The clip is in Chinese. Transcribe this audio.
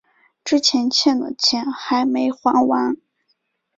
之前欠的钱还没还完